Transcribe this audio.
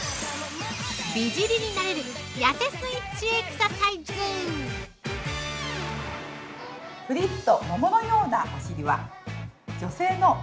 美尻になれるやせスイッチエクササイズ。